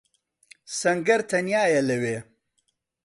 سەنگەر تەنیایە لەوێ.